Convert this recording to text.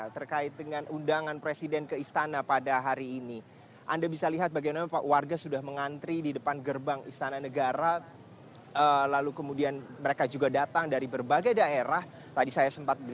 terkait dengan undangan presiden ke istana pada hari ini